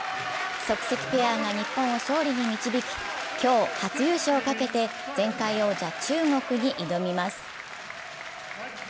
即席ペアが゜日本を勝利に導き、今日初優勝を懸けて、前回王者・中国に挑みます。